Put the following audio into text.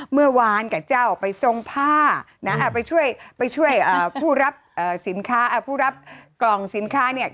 เมื่อวานกับเจ้าไปทรงผ้าไปช่วยผู้รับกล่องสินค้าเนี่ย